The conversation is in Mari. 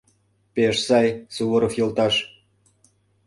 — Пеш сай, Суворов йолташ!